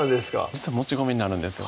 実はもち米になるんですよ